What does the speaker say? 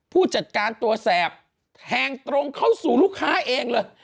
ผู้จัดการตัวแสบแทงตรงเข้าสู่ลูกค้าเองเลย